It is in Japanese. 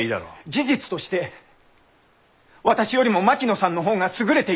事実として私よりも槙野さんの方が優れています。